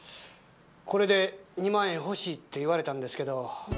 これで２万円ほしいって言われたんですけど。